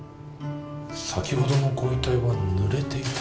先ほどのご遺体はぬれていた。